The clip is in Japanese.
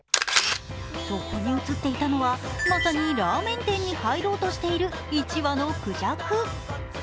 そこに写っていたのは、まさにラーメン店に入ろうとしている１羽の孔雀。